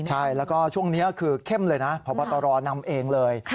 ใช่แล้วก็ช่วงนี้คือเข้มเลยนะพบตรนำเองเลย